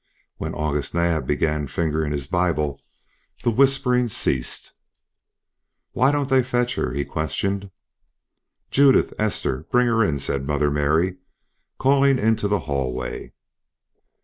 When August Naab began fingering his Bible the whispering ceased. "Why don't they fetch her?" he questioned. "Judith, Esther, bring her in," said Mother Mary, calling into the hallway.